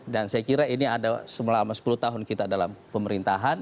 dan saya kira ini ada selama sepuluh tahun kita dalam pemerintahan